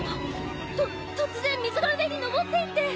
と突然水が上にのぼっていって。